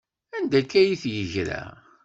Anda akka ay d-yeggra?